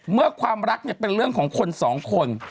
เมื่อความรักเป็นเรื่องของคนสองคน